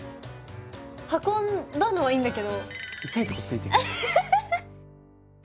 運んだのはいいんだけど。